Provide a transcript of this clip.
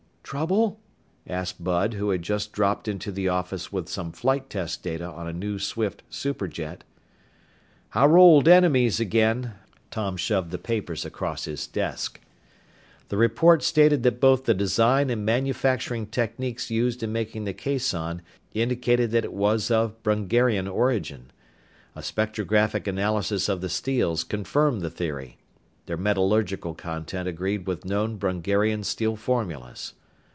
"Trouble?" asked Bud, who had just dropped into the office with some flight test data on a new Swift superjet. "Our old enemies again." Tom shoved the papers across his desk. The report stated that both the design and manufacturing techniques used in making the caisson indicated that it was of Brungarian origin. A spectrographic analysis of the steels confirmed the theory. Their metallurgical content agreed with known Brungarian steel formulas.